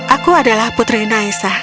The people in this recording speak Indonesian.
aku adalah putri naysha